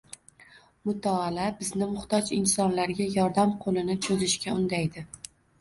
Mutolaa bizni muhtoj insonlarga yordam qo‘lini cho‘zishga undaydi.